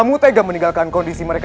mereka bertiga lari ke arah sana